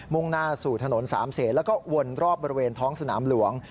่งหน้าสู่ถนนสามเศษแล้วก็วนรอบบริเวณท้องสนามหลวง